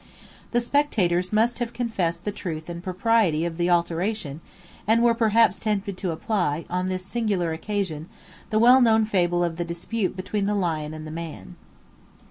52 The spectators must have confessed the truth and propriety of the alteration; and were perhaps tempted to apply, on this singular occasion, the well known fable of the dispute between the lion and the man.